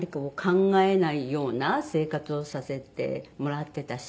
考えないような生活をさせてもらってたし。